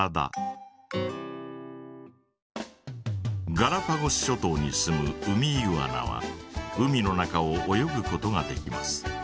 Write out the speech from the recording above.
ガラパゴス諸島に住むウミイグアナは海の中を泳ぐことができます。